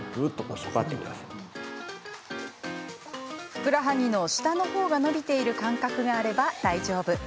ふくらはぎの下のほうが伸びている感覚があれば大丈夫。